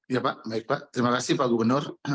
ya pak baik pak terima kasih pak gubernur